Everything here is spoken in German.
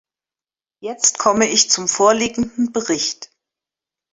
Jetzt komme ich zum vorliegenden Bericht.